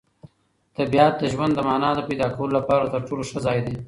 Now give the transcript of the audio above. طبیعت د ژوند د مانا د پیدا کولو لپاره تر ټولو ښه ځای دی.